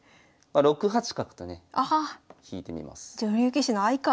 ６八角とね引いてみます。